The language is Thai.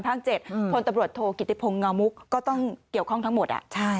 ครั้ง๗พลตบรทโทกคิตทิพราหมิก็ต้องเกี่ยวข้องทั้งหมด